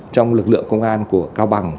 trong lực lượng công an của cao bằng